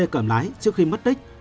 cẩm lái trước khi mất tích